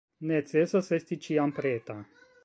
Necesas esti ĉiam preta.